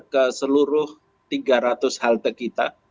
ke seluruh tiga ratus halte kita